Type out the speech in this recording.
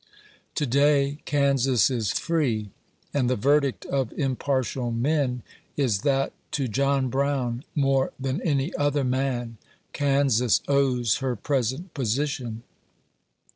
To day, Kansas is free, and the verdict of impartial men is, that to John Brown, more than any other man, Kansas owes her present position.